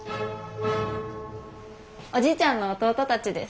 おじいちゃんの弟たちです。